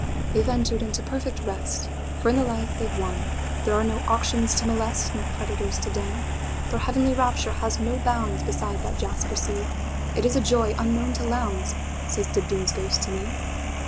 "They 've entered into perfect rest; For in the life they 've wonThere are no auctions to molest, No creditors to dun. Their heavenly rapture has no boundsBeside that jasper sea; It is a joy unknown to Lowndes,"Says Dibdin's ghost to me.